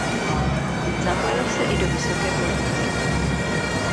Zapojil se i do vysoké politiky.